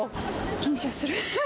緊張する。